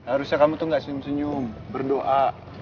harusnya kamu tuh gak senyum senyum berdoa